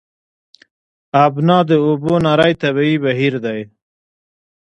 ابنا د اوبو نری طبیعي بهیر دی.